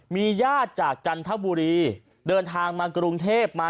มีญาติจากจันทบุรีเดินทางมากรุงเทพมา